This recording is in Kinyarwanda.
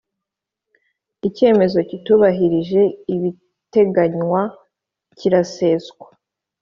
icyemezo kitubahirije ibiteganywa kiraseswa